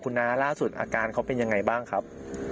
คิดว่ามันอ่อนเหี้ยแล้ว